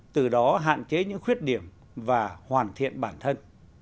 từ đó hạn chế những khuyết điểm và hoàn thiện bản thân